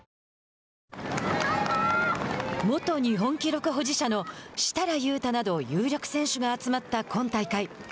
元日本記録保持者の設楽悠太ら有力選手が集まった今大会。